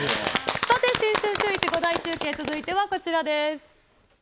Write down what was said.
さて新春シューイチ５大中継、こちらです。